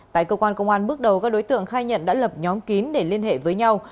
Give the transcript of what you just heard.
tại cơ quan công an bước đầu các đối tượng khai nhận đã lập nhóm kín để liên hệ với nhau